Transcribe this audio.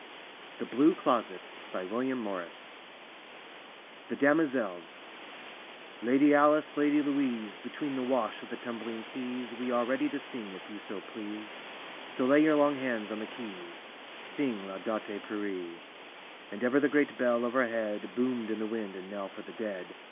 THE BLUE CLOSET : william morris THE DAMOZELS Lady Alice, Lady Louise, Between the wash of the tumbling seas Wc arc ready t« sing, if so you please; So lay your long hands on the keys; Sing " Laudate pueri." And ever the great bell overhead Boom'd in the wind a knell for the dead.